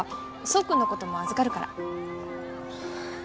爽君のことも預かるから。